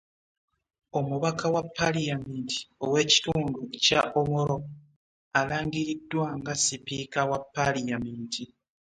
Omubaka wa Paliyamenti ow’ekitundu kya Omoro alangiriddwa nga sipiika wa Paliyamenti